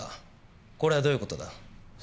これはどういう事だ？